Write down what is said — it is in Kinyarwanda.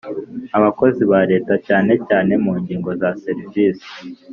abakozi ba leta cyane cyane mu ngingo za serivisi